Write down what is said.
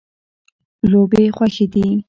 لوبې خوښې دي.